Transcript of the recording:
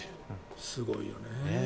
すごいよね。